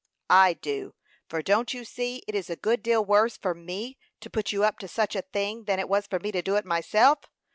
"I do; for don't you see it is a good deal worse for me to put you up to such a thing than it was for me to do it myself?